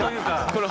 これ